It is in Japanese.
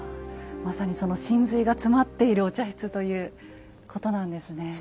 まさにその神髄が詰まっているお茶室ということなんですね。